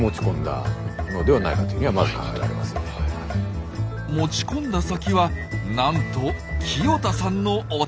持ち込んだ先はなんと清田さんのお宅でした。